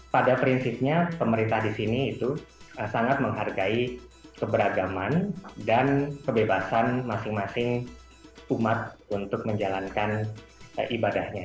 pada prinsipnya pemerintah di sini itu sangat menghargai keberagaman dan kebebasan masing masing umat untuk menjalankan ibadahnya